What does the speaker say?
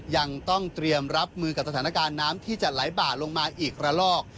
ยังต้องเตรียมรับมือกับสถานการณ์น้ำที่จะไหลบ่าลงมาอีกระลอก